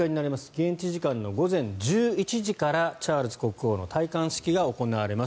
現地時間の午前１１時からチャールズ国王の戴冠式が行われます。